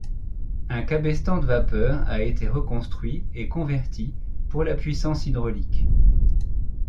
Un cabestan de vapeur a été reconstruit et converti pour la puissance hydraulique.